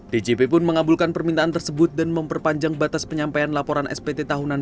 djp pun mengabulkan permintaan tersebut dan memperpanjang batas penyampaian laporan spt tahunan